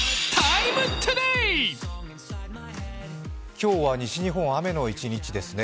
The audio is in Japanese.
今日は西日本は雨の一日ですね。